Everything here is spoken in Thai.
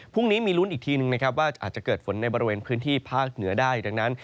พรุ่งนี้มีลุ้นอีกทีนึงนะครับว่าอาจจะเกิดฝนในบริเวณพื้นที่ภาคเหนือได้ดังนั้น